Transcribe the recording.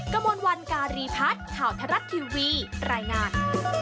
กระมวลวันการีพัฒน์ข่าวทรัฐทีวีรายงาน